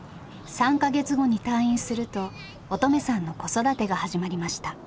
３か月後に退院すると音十愛さんの子育てが始まりました。